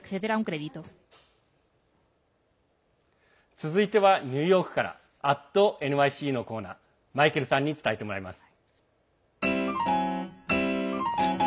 続いてはニューヨークから「＠ｎｙｃ」のコーナーマイケルさんに伝えてもらいます。